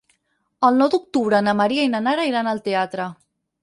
El nou d'octubre na Maria i na Nara aniran al teatre.